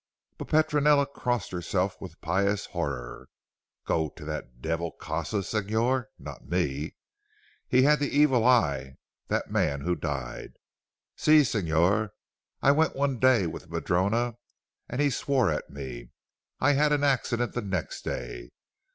But Petronella crossed herself with pious horror. "Go to that devil casa Signor! Not me. He had the evil eye, that man who died. Si Signor. I went one day with the padrona, and he swore at me. I had an accident the next day.